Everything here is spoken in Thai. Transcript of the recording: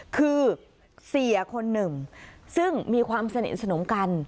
คือเสียคนหนึ่งซึ่งมีความสนิทสนมกัน